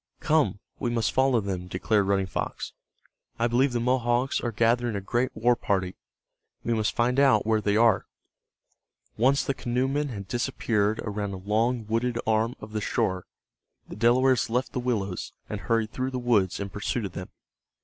"Come, we must follow them," declared Running Fox. "I believe the Mohawks are gathering a great war party. We must find out where they are." Once the canoemen had disappeared around a long wooded arm of the shore, the Delawares left the willows, and hurried through the woods in pursuit of them.